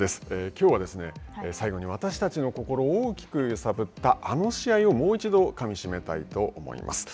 きょうはですね、最後に私たちの心を大きく揺さぶった、あの試合をもう一度かみしめたいと思います。